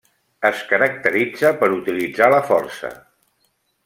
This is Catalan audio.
Es caracteritza per utilitzar la força.